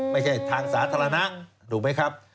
ไม่ใช่ทางสาธารณะถูกไหมครับ